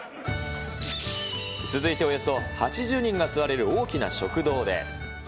続いておよそ８０人が座れる大きな食堂で。